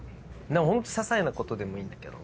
ホントささいなことでもいいんだけど。